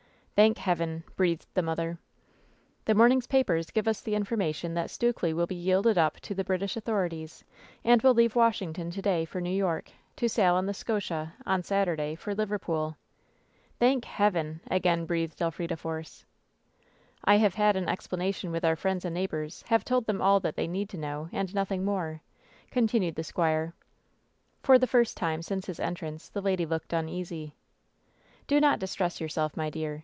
"Thank Heaven I" breathed the mother. "The morning's papers give us the information that Stukely will be yielded up to the British authorities and will leave Washington to day for New York, to sail on the Scotia, on Saturday, for Liverpool." "Thank Heaven 1" again breathed Elfrida Force. "I have had an explanation with our friends and neighbors ; have told them all that they need know, and nothing more," continued the squire. For the first time since his entrance the lady looked * imeasy. "Do not distress yourself, my dear.